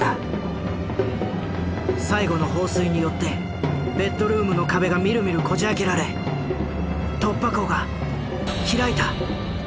最後の放水によってベッドルームの壁がみるみるこじ開けられ突破口が開いた。